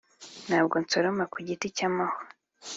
ntabwo nsoroma ku giti cy'amahwa